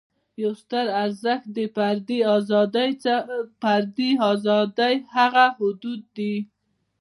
یو ستر ارزښت د فردي آزادۍ هغه حدود دي.